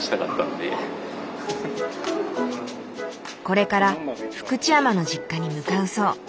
これから福知山の実家に向かうそう。